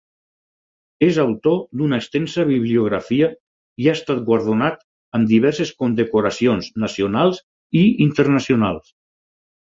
És autor d'una extensa bibliografia i ha estat guardonat amb diverses condecoracions nacionals i internacionals.